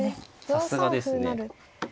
さすがですね。